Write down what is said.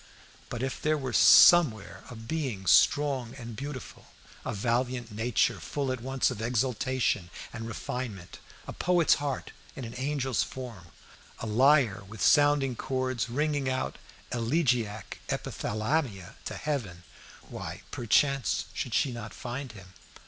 But if there were somewhere a being strong and beautiful, a valiant nature, full at once of exaltation and refinement, a poet's heart in an angel's form, a lyre with sounding chords ringing out elegiac epithalamia to heaven, why, perchance, should she not find him?